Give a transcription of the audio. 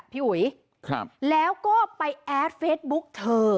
พี่อุ๋ยแล้วก็ไปแอดเฟซบุ๊กเธอ